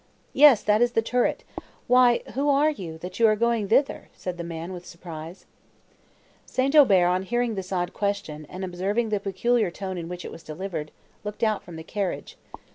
"Yes, that is the turret; why, who are you, that you are going thither?" said the man with surprise. St. Aubert, on hearing this odd question, and observing the peculiar tone in which it was delivered, looked out from the carriage.